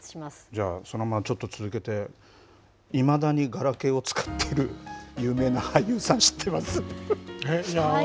じゃあ、そのままちょっと続けて、いまだにガラケーを使っている有名な俳優さん、知ってます？